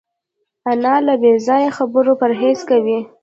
انا له بېځایه خبرو پرهېز کوي